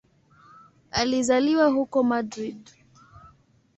Alizaliwa huko Madrid.